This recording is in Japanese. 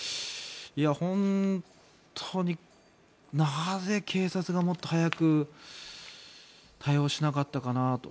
本当になぜ警察がもっと早く対応しなかったかなと。